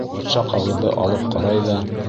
Батша ҡағыҙҙы алып ҡарай ҙа: